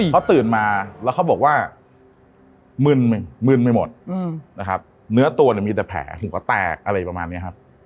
เขาตื่นมาแล้วเขาบอกว่ามึนมึนไปหมดนะครับเนื้อตัวเนี่ยมีแต่แผลหัวแตกอะไรประมาณนี้ครับ